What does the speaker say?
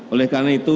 oleh karena itu